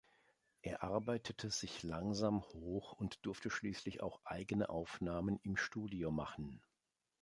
Er arbeitete sich langsam hoch und durfte schließlich auch eigene Aufnahmen im Studio machen.